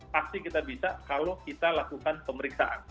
pasti kita bisa kalau kita lakukan pemeriksaan